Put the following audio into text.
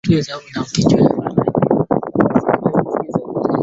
wameenda kinyume na yale madaraka waliopewa